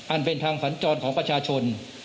อันเป็นทางสัญจรของประชาชน